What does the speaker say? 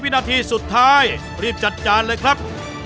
วินาทีสุดท้ายรีบจัดการเลยครับ